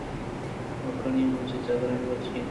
مکرانی بلوچی زگریں بلوچی اِنت۔